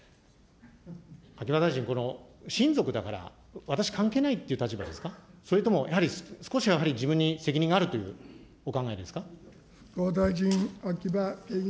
秋葉大臣、この親族だから私、関係ないっていう立場ですか、それともやはり、少しやはり自分に責任があるというお考えですか。